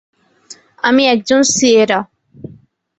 আমি একজন সিয়েরা।